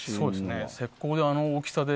石膏で、あの大きさで。